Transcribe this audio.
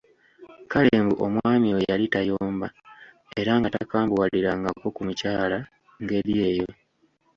Kale mbu omwami oyo yali tayomba era nga takambuwalirangako ku mukyala ng'eri eyo!